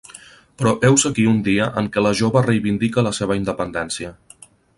Però heus aquí un dia en què la jove reivindica la seva independència.